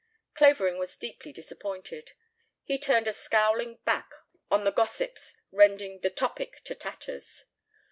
Clavering was deeply disappointed. He turned a scowling back on the gossips rending The Topic to tatters.